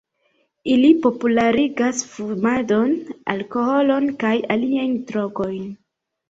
Ili popularigas fumadon, alkoholon kaj aliajn drogojn.